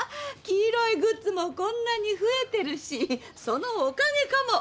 黄色いグッズもこんなに増えてるしそのおかげかも。